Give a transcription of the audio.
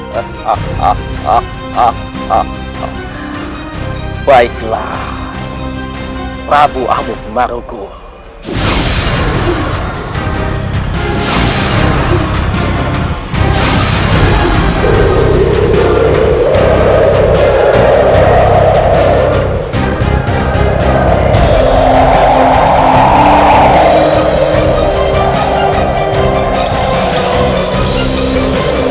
hahaha baiklah prabu amuh marugul